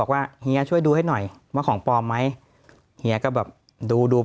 เฮียช่วยดูให้หน่อยว่าของปลอมไหมเฮียก็แบบดูดู